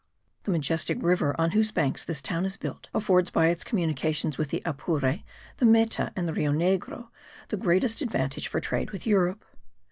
The majestic river on whose banks this town is built, affords by its communications with the Apure, the Meta and the Rio Negro the greatest advantages for trade with Europe.